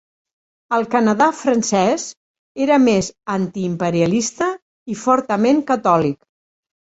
El Canadà francès era més antiimperialista i fortament catòlic.